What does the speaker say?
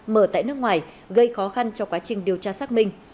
mở tại nước ngoài gây khó khăn cho quá trình điều tra xác minh